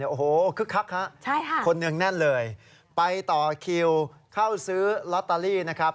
โอ้โหคึกคักฮะใช่ค่ะคนหนึ่งแน่นเลยไปต่อคิวเข้าซื้อลอตเตอรี่นะครับ